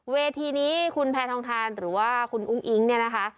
เวทีนี้คุณแพทองทานหรือว่าคุณอุ้งอิ๊งเนี่ยนะคะ